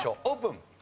オープン！